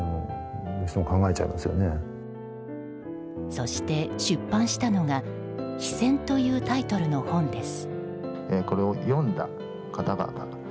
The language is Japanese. そして出版したのが「非戦」というタイトルの本です。